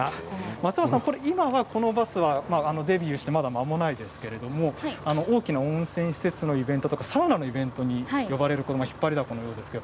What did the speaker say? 松原さん、このバスはデビューしてまだ間もないですけれど大きな温泉施設のイベントとかサウナのイベントに呼ばれることもあるようですね。